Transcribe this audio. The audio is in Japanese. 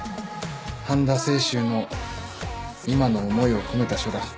半田清舟の今の思いを込めた書だ。